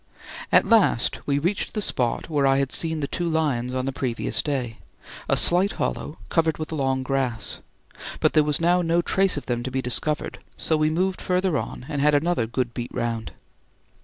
At last we reached the spot where I had seen the two lions on the previous day a slight hollow, covered with long grass; but there was now no trace of them to be discovered, so we moved further on and had another good beat round.